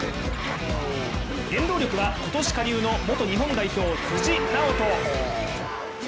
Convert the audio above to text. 原動力は今年加入の元日本代表辻直人。